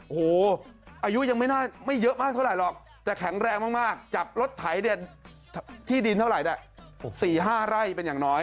โอ้โหอายุยังไม่เยอะมากเท่าไหรหรอกแต่แข็งแรงมากจับรถไถที่ดินเท่าไหร่๔๕ไร่เป็นอย่างน้อย